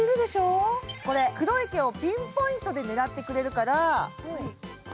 これ、黒い毛をピンポイントで狙ってくれるから。